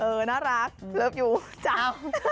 เออน่ารักเลิฟยูจ้า